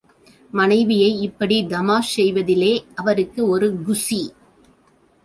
மனைவியை இப்படித் தமாஷ் செய்வதிலே அவருக்கு ஒரு குஷி.